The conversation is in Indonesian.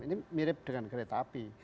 ini mirip dengan kereta api